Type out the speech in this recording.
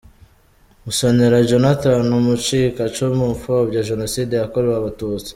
Musonera Jonathan, Umucikacumu upfobya Jenoside yakorewe Abatutsi.